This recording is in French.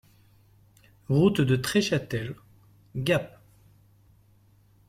Route de Treschâtel, Gap